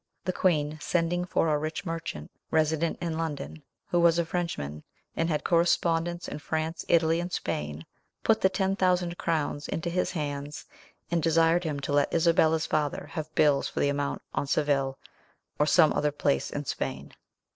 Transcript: The queen, sending for a rich merchant, resident in London, who was a Frenchman, and had correspondents in France, Italy, and Spain, put the ten thousand crowns into his hands, and desired him to let Isabella's father have bills for the amount on Seville or some other place in Spain.